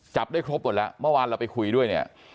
จับได้ครบหมดแล้วเมื่อวานเราไปคุยด้วยเนี่ย